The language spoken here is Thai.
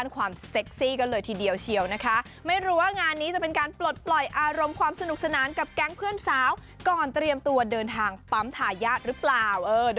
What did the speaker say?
ก่อนเตรียมตัวเดินทางปั๊มถ่ายหยาดหรือเปล่า